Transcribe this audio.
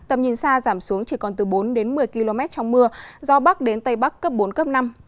tầm nhìn xa giảm xuống chỉ còn từ bốn đến một mươi km trong mưa gió bắc đến tây bắc cấp bốn cấp năm